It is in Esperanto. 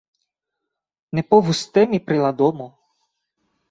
Ne povus temi pri la domo.